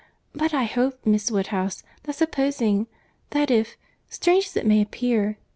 But I hope, Miss Woodhouse, that supposing—that if—strange as it may appear—.